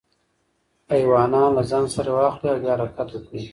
ایوانان له ځان سره واخلئ او بیا حرکت وکړئ.